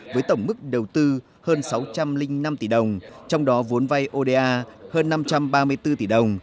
với tổng mức đầu tư hơn sáu trăm linh năm tỷ đồng trong đó vốn vay oda hơn năm trăm ba mươi bốn tỷ đồng